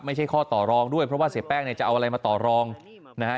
ไม่ใช่ข้อต่อรองด้วยเพราะว่าเสียแป้งเนี่ยจะเอาอะไรมาต่อรองนะฮะ